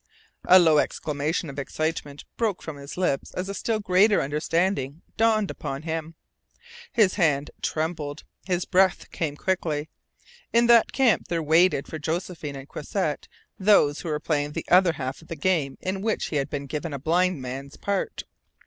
A low exclamation of excitement broke from his lips as a still greater understanding dawned upon him. His hand trembled. His breath came quickly. In that camp there waited for Josephine and Croisset those who were playing the other half of the game in which he had been given a blind man's part!